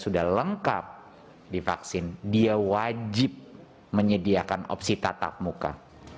sudah lengkap divaksin dia wajib menyediakan opsi tatap muka